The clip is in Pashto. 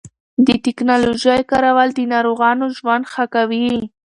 د ټېکنالوژۍ کارول د ناروغانو ژوند ښه کوي.